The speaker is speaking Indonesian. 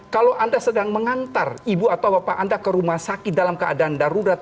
kalau anda sedang mengantar ibu atau bapak anda ke rumah sakit dalam keadaan darurat